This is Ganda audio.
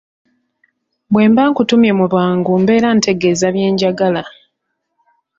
Bwe mba nkutumye mu bwangu mbeera ntegeeza bye njagala.